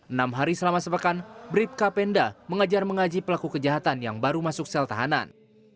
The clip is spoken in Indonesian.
enam hari selama sepekan bribka penda mengajar mengaji pelaku kejahatan yang baru masuk sel tahanan